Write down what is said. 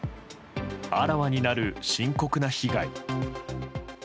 あらわになる深刻な被害。